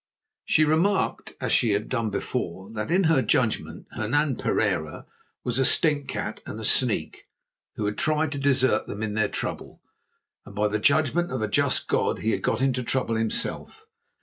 She remarked, as she had done before, that in her judgment Hernan Pereira was "a stinkcat and a sneak," who had tried to desert them in their trouble, and by the judgment of a just God had got into trouble himself.